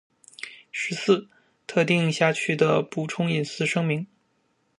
十四、特定司法辖区的补充隐私声明